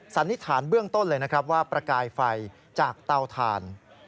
สันนิษฐานเบื้องต้นเลยนะครับว่าประกายไฟจากเตาถ่าน